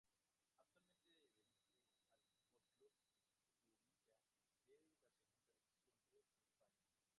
Actualmente dirige al Fútbol Club Jumilla de la Segunda División B de España.